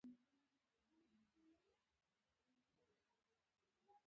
نړۍ هیڅ یو نظام سیالي نه شوه کولای.